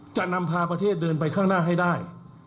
จะนำพาประเทศเดินไปข้างหน้าให้ได้